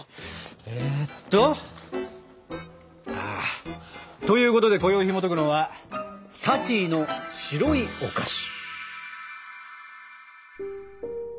えっとああということでこよいひもとくのは「サティの白いお菓子」！